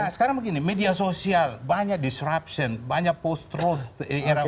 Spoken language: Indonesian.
sekarang begini media sosial banyak disruption banyak post truth